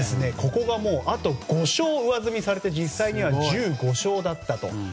ここがあと５勝上積みされて実際には１５勝だったと。